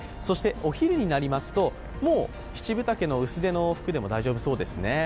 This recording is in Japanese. お昼になりますと、もう七分丈の薄手の服でも大丈夫そうですね。